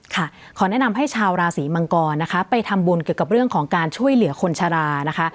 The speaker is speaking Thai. ขอแนะนำให้ชาวราศีมังกรนะคะไปทำบุญเกี่ยวกับเรื่องของการช่วยเหลือคนชะลานะคะ